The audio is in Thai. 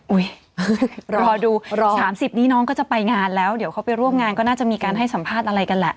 รอดู๓๐นี้น้องก็จะไปงานแล้วเดี๋ยวเขาไปร่วมงานก็น่าจะมีการให้สัมภาษณ์อะไรกันแหละ